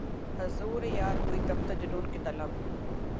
حضور یار ہوئی دفتر جنوں کی طلب